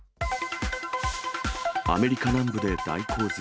アメリカ南部で大洪水。